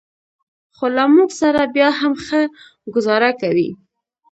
خو له موږ سره بیا هم ښه ګوزاره کوي.